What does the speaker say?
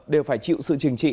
đều phải chịu sự trình trị